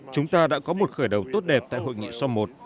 chúng ta đã có một khởi đầu tốt đẹp tại hội nghị som một